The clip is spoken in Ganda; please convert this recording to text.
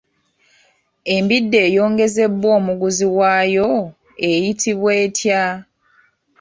Embidde eyongezebwa omuguzi waayo eyitibwa etya?